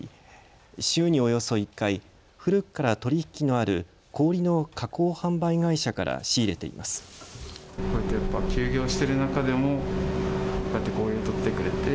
週におよそ１回、古くから取り引きのある氷の加工販売会社から仕入れています。